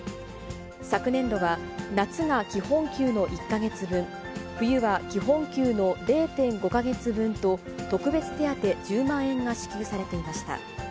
昨年度は、夏が基本給の１か月分、冬は基本給の０．５か月分と、特別手当１０万円が支給されていました。